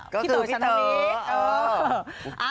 ก็คือพิเศนเตอร์